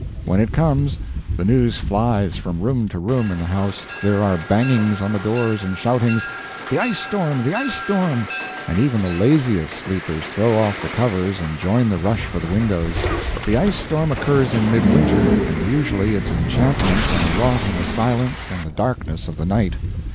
When it comes, the news flies from room to room in the house, there are bangings on the doors, and shoutings, "The ice storm! the ice storm!" and even the laziest sleepers throw off the covers and join the rush for the windows. The ice storm occurs in midwinter, and usually its enchantments are wrought in the silence and the darkness of the night.